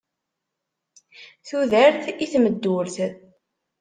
Tudert i tmeddurt!